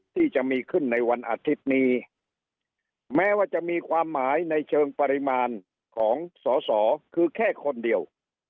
ที่จะมีขึ้นในวันอาทิตย์นี้แม้ว่าจะมีความหมายในเชิงปริมาณของสอสอคือแค่คนเดียว